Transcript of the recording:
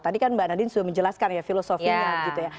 tadi kan mbak nadiem sudah menjelaskan ya filosofinya gitu ya